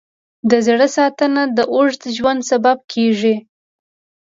د زړه ساتنه د اوږد ژوند سبب کېږي.